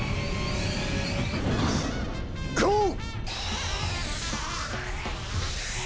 ゴー！